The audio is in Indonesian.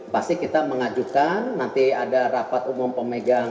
pasti kita mengajukan nanti ada rapat umum pemegang